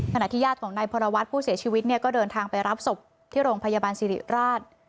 ขณะที่ญาติของนายพรวัตรผู้เสียชีวิตเนี่ยก็เดินทางไปรับศพที่โรงพยาบาลสิริราช